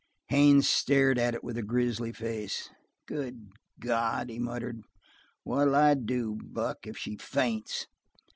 Haines stared at it with a grisly face. "Good God," he muttered, "what'll I do, Buck, if she faints?"